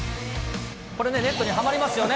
これね、ネットにはまりますよね。